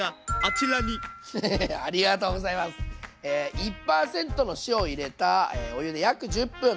１％の塩を入れたお湯で約１０分。